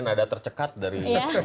nada tercekat dari